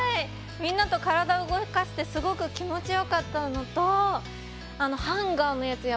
みんなと体を動かしてすごく気持ちよかったのとあのハンガーのやつ